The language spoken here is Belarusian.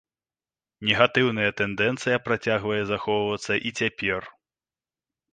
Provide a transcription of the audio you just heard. Негатыўная тэндэнцыя працягвае захоўвацца і цяпер.